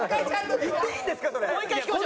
言っていいんですかそれ。